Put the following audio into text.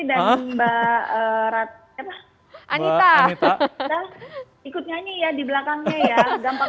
eratnya mas rizky dan mbak anita ikut nyanyi ya di belakangnya ya